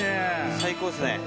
最高っすね。